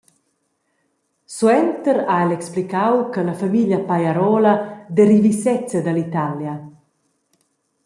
Suenter ha el explicau che la famiglia Pajarola derivi sezza dall’Italia.